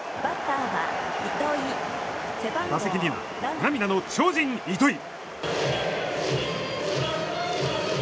打席には涙の超人、糸井。